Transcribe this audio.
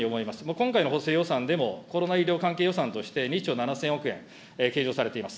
今回の補正予算でも、コロナ医療関係予算として２兆７０００億円計上されています。